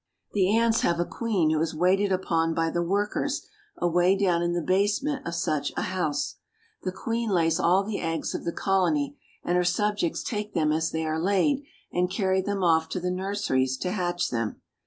The ants have a queen who is waited upon by the workers away down in the basement of such a house. The queen lays all the eggs of the col ony, and her subjects take them as they are laid and carry them off to the nurseries to hatch them.